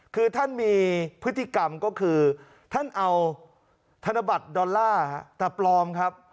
คือท่านมีพฤติกรรมก็คือท่านเอาธนบัตรดอลลาร์แต่ปลอมครับ